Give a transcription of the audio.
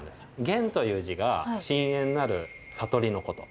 玄という字が深淵なる悟りのこと。